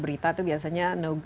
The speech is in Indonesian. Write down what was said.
berita itu biasanya